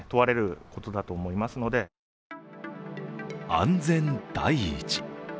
安全第一。